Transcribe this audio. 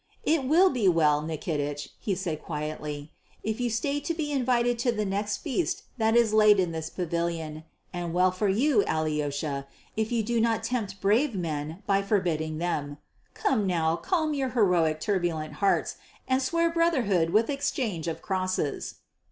"It will be well, Nikitich," he said quietly, "if you stay to be invited to the next feast that is laid in this pavilion, and well for you, Alyosha, if you do not tempt brave men by forbidding them. Come now, calm your heroic turbulent hearts and swear brotherhood with exchange of crosses."